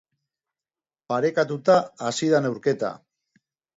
Parekatuta hasi da neurketa.